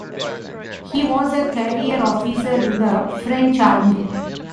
He was a career officer in the French army.